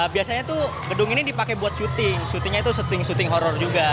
biasanya tuh gedung ini dipakai buat syuting syutingnya itu syuting syuting horror juga